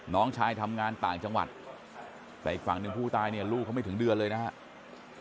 น้องชายทำงานต่างจังหวัดแต่อีกฝั่งหนึ่งผู้ตายเนี่ยลูกเขาไม่ถึงเดือนเลยนะครับ